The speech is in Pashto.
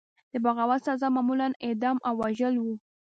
د بغاوت سزا معمولا اعدام او وژل وو.